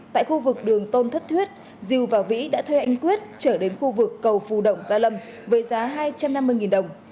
tại khu vực đường tôn thất thuyết diều và vĩ đã thuê anh quyết trở đến khu vực cầu phù động gia lâm với giá hai trăm năm mươi đồng